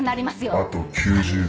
あと９０秒。